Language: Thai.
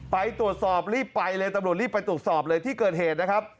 ไปตรวจสอบรีบไปเลยตำรวจรีบไปตรวจสอบเลยที่เกิดเหตุนะครับ